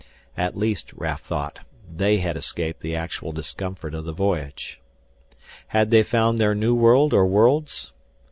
At least, Raf thought, they had escaped the actual discomfort of the voyage. Had they found their new world or worlds?